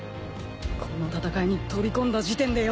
この戦いに飛び込んだ時点でよ。